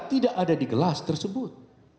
tidak ada di kelas tersebut